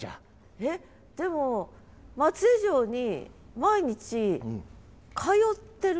えっでも松江城に毎日通ってるの？